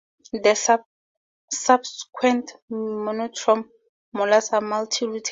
Subsequent monotreme molars are multi-rooted.